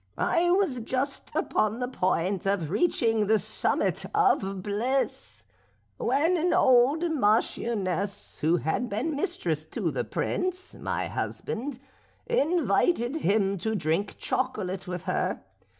I was just upon the point of reaching the summit of bliss, when an old marchioness who had been mistress to the Prince, my husband, invited him to drink chocolate with her.